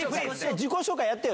自己紹介やってよ。